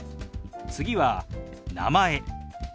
次は「名前」。